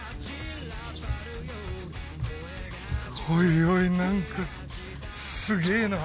おいおい何かすげえな。